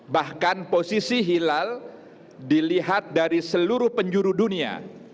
bahkan posisi hilal dilihat dari seluruh penjuru dunia